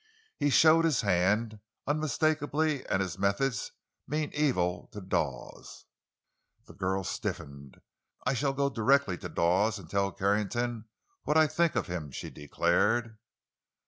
"He showed his hand, unmistakably, and his methods mean evil to Dawes." The girl stiffened. "I shall go directly to Dawes and tell Carrington what I think of him!" she declared.